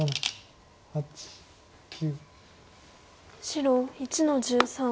白１の十三。